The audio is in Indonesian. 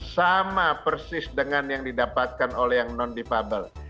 sama persis dengan yang didapatkan oleh yang non defable